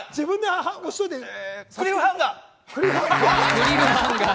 クリフハンガー！